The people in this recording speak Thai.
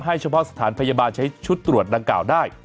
เฉพาะสถานพยาบาลใช้ชุดตรวจดังกล่าวได้